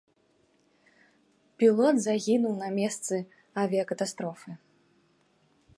Пілот загінуў на месцы авіякатастрофы.